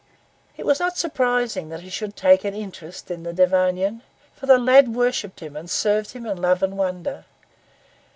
It was not surprising that he should take an interest in the Devonian, for the lad worshipped and served him in love and wonder.